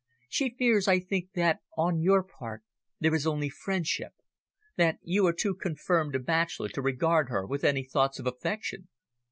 She fears, I think, that on your part there is only friendship that you are too confirmed a bachelor to regard her with any thoughts of affection."